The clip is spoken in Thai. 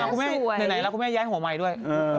คุณแม่ไหนแล้วคุณแม่ย้ายหัวใหม่ด้วย